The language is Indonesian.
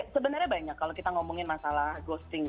sebenarnya banyak kalau kita ngomongin masalah ghosting